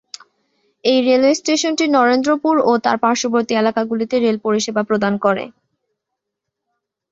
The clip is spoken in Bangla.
এই রেলওয়ে স্টেশনটি নরেন্দ্রপুর ও তার পার্শ্ববর্তী এলাকাগুলিতে রেল পরিষেবা প্রদান করে।